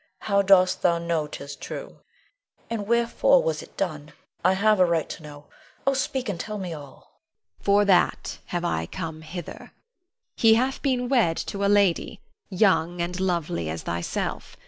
How dost thou know 'tis true, and wherefore was it done? I have a right to know. Oh, speak, and tell me all! Norna. For that have I come hither. He hath been wed to a lady, young and lovely as thyself.